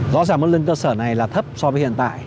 rõ ràng mức lương cơ sở này là thấp so với hiện tại